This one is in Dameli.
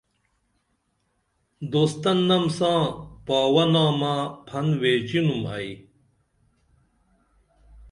دوستنم ساں پاوہ نامہ پھن ویچینُم ائی